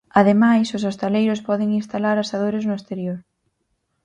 Ademais, os hostaleiros poden instalar asadores no exterior.